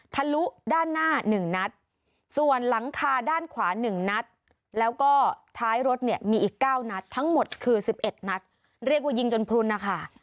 ทะลุด้านหน้า๑นัดส่วนหลังคาด้านขวา๑นัดแล้วก็ท้ายรถเนี่ยมีอีก๙นัดทั้งหมดคือ๑๑นัดเรียกว่ายิงจนพลุนนะคะ